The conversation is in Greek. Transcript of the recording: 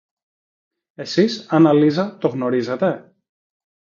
Εσείς, Άννα Λίζα, το γνωρίζετε;